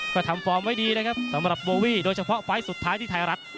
ก็ทำฟอร์มไว้ดีนะครับสำหรับโบวี่โดยเฉพาะไฟล์สุดท้ายที่ไทยรัฐ